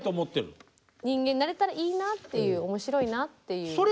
人間になれたらいいなっていう面白いなっていう。